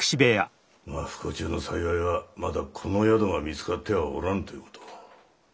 まあ不幸中の幸いはまだこの宿が見つかってはおらぬという事。